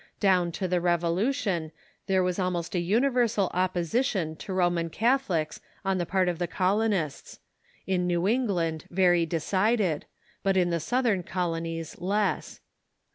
Down to the Revolution there was almost a universal opposition to Roman Catholics on the part of the colonists — in New England very decided, but in the Southern colonies less.